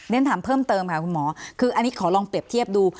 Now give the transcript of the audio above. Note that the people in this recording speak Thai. เรียนถามเพิ่มเติมค่ะคุณหมอคืออันนี้ขอลองเปรียบเทียบดู